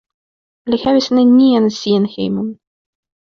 Li havis nenian sian hejmon.